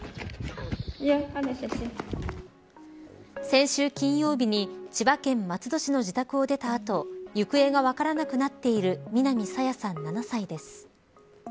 先週金曜日に千葉県松戸市の自宅を出た後行方が分からなくなっている南朝芽さん、７歳です。